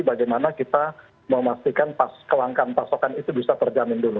bagaimana kita memastikan kelangkaan pasokan itu bisa terjamin dulu